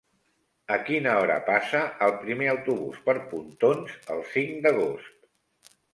A quina hora passa el primer autobús per Pontons el cinc d'agost?